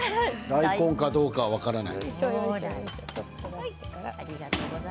大根かどうか分からない。